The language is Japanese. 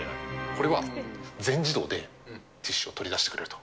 これは、全自動でティッシュを取り出してくれると。